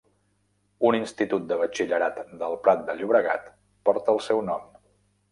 Un institut de batxillerat del Prat de Llobregat porta el seu nom.